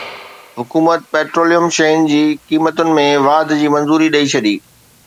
حڪومت پيٽروليم شين جي قيمتن ۾ واڌ جي منظوري ڏئي ڇڏي